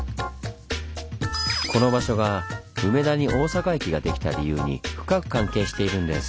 この場所が梅田に大阪駅ができた理由に深く関係しているんです。